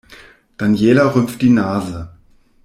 Daniela rümpft die Nase.